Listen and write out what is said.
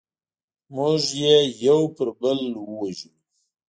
موږ یې یو پر بل ووژلو.